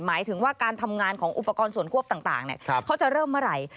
หมายถึงว่าการทำงานของอุปกรณ์ส่วนควบต่างเขาจะเริ่มเมื่อไหร่